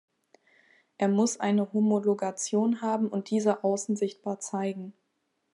Er muss eine Homologation haben und diese außen sichtbar zeigen.